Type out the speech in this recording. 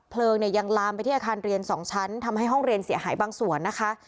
เพลิงเนี่ยยังลามไปที่อาคารเรียน๒ชั้นทำให้ห้องเรียนเสียหายบางส่วนนะคะ